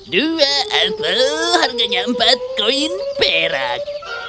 dua atau harganya empat koin perak